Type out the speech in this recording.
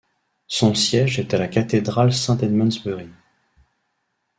Son siège est la Cathédrale Saint-Edmundsbury.